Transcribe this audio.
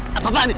sebelum ada bukti